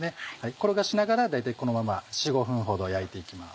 転がしながら大体このまま４５分ほど焼いて行きます。